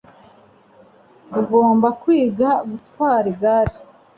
Ugomba kwiga gutwara igare.